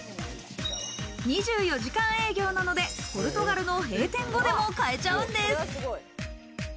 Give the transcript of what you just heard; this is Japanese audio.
２４時間営業なので、ぽるとがるの閉店後でも買えちゃうんです。